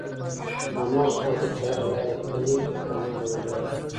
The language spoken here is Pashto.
هماغه خواته چې هره لاره تللې وي پر هماغه به لاړ شو.